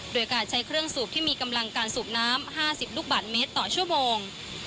โดยการใช้เครื่องสูบที่มีกำลังการสูบน้ำ๕๐ลูกบาทเมตรต่อชั่วโมง